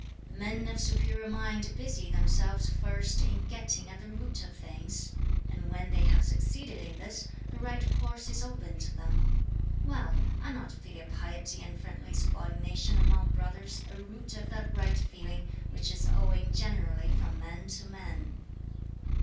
"Men of superior mind busy themselves first in getting at the root of things; and when they have succeeded in this the right course is open to them. Well, are not filial piety and friendly subordination among brothers a root of that right feeling which is owing generally from man to man?"